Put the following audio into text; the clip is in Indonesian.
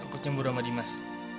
aku cemburu sama dimas